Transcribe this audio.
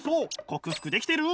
克服できてる！